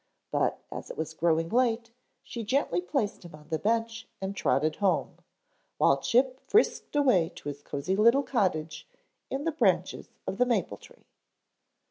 But as it was growing late she gently placed him on the bench and trotted home, while Chip frisked away to his cosy little cottage in the branches of the maple tree.